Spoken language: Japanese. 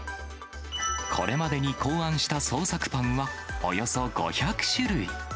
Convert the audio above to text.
これまでに考案した創作パンはおよそ５００種類。